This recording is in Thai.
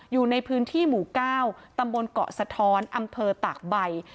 อยู่ในพื้นที่หมู่๙ตำบลเกาะสะท้อนอำเภอตากใบ